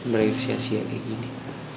mereka sia sia kayak gini